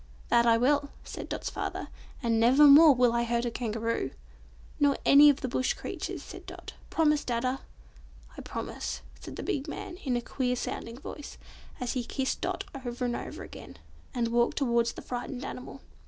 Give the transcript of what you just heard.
"That I will!" said Dot's father, "and never more will I hurt a Kangaroo!" "Nor any of the Bush creatures," said Dot. "Promise, Dadda!" "I promise," said the big man, in a queer sounding voice, as he kissed Dot over and over again, and walked towards the frightened animal.